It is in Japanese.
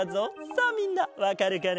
さあみんなわかるかな？